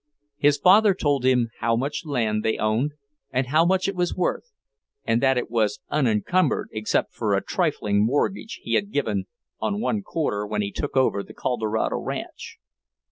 His father told him how much land they owned, and how much it was worth, and that it was unencumbered except for a trifling mortgage he had given on one quarter when he took over the Colorado ranch.